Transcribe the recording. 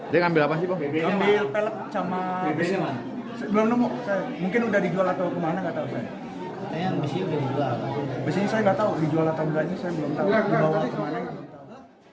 penyelenggaraan berikutnya diberi penyelenggaraan